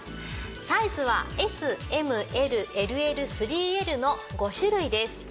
サイズはＳＭＬＬＬ３Ｌの５種類です。